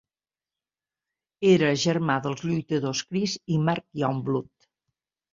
Era germà dels lluitadors Chris i Mark Youngblood.